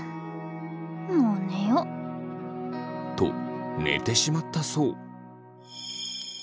もう寝よ。と寝てしまったそう。